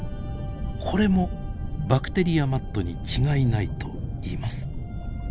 これもバクテリアマットに違いないといいます。